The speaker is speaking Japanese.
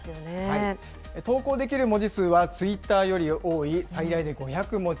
投稿できる文字数はツイッターより多い最大で５００文字。